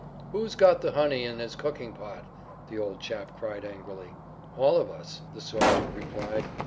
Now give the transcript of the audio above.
"Who's got honey in his cooking pot?" the old chap cried angrily. "All of us," the sergeant replied.